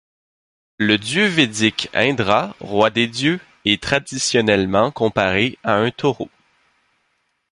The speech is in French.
Le dieu védique Indra, roi des Dieux, est traditionnellement comparé à un taureau.